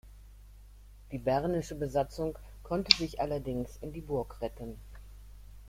Die bernische Besatzung konnte sich allerdings in die Burg retten.